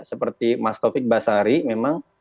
seperti mas taufik basari memang